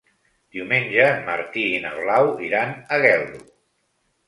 Diumenge en Martí i na Blau iran a Geldo.